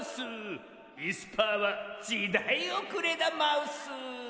いすパーはじだいおくれだマウス。